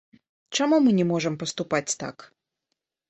Чаму мы не можам паступаць так?